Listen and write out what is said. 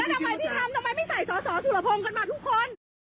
แล้วทำไมพี่น้ำไม่ใส่สอสุรพงษ์กันมาทุกคน